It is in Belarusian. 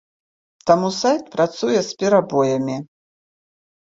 Таму сайт працуе з перабоямі.